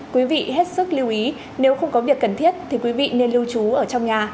quý vị hết sức lưu ý nếu không có việc cần thiết thì quý vị nên lưu trú ở trong nhà